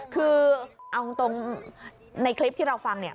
คือเอาตรงในคลิปที่เราฟังเนี่ย